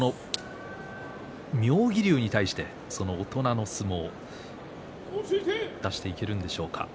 妙義龍に対してその大人の相撲出していけるんでしょうか。